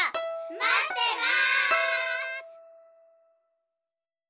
まってます！